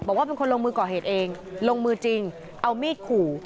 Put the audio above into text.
บอกว่าเป็นคนลงมือก่อเหตุเองลงมือจริงเอามีดขู่